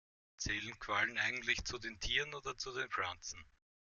Zählen Quallen eigentlich zu den Tieren oder zu den Pflanzen?